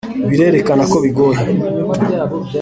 birerekana ko bigoye,